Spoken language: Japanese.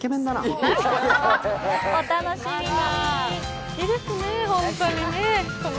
お楽しみに！